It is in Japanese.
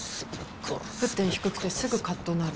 沸点低くてすぐカッとなる。